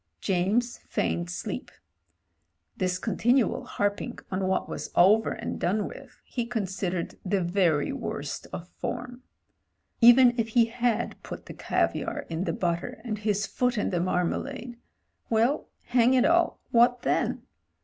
James feigned sleep : this continual harping on what was over and done with he considered the very worst of form. Even if he had put the caviar in the butter and his foot in the marmalade — well, hang it all— what then?